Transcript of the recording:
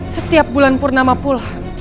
setiap bulan purnama pula